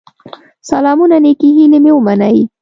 سلامونه نيکي هيلي مي ومنئ